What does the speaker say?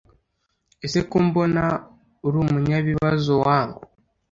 ese ko mbona urumunyabibazo wangu!